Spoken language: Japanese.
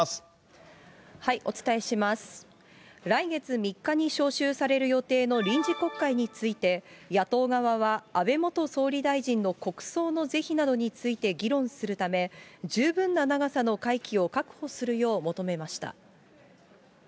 来月３日に召集される予定の臨時国会について、野党側は、安倍元総理大臣の国葬についての是非などを議論するため、十分な長さの会期を確保するよう求めました。